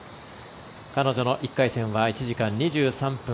彼女の１回戦は１時間２３分。